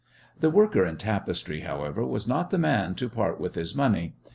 The worker in tapestry, however, was not the man to part with his money.